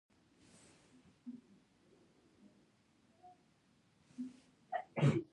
دا دوی ته د ژوند د ستونزو زغم ورښيي.